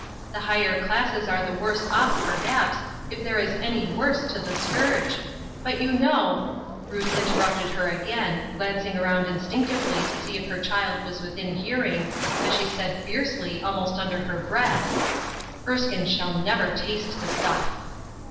The higher classes are the worse off, perhaps, if 44 UNWELCOME RESPONSIBILITIES, there is any ' worse ' to the scourge ; but you know "— Ruth interrupted her again, glancing around in stinctively to see if her child was within hearing, as she said fiercely, almost under her breath :—" Erskine shall never taste the stuff